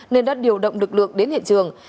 nên đã điều động lực lượng đến hiện trường